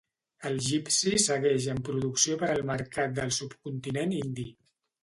El Gypsy segueix en producció per al mercat del subcontinent indi.